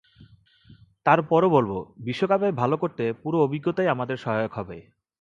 তার পরও বলব, বিশ্বকাপে ভালো করতে পুরো অভিজ্ঞতাই আমাদের সহায়ক হবে।